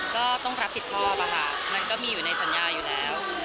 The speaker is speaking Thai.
ก็ต้องรับผิดชอบอะค่ะมันก็มีอยู่ในสัญญาอยู่แล้ว